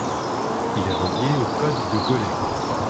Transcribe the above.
Il est relié au code de Golay.